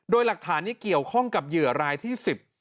โดยหลักฐานนี้เกี่ยวข้องกับเหยื่อรายที่๑๐